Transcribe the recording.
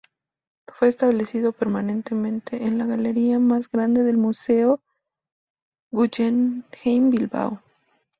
Fue establecido permanentemente en la galería más grande del Museo Guggenheim Bilbao.